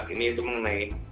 ini itu mengenai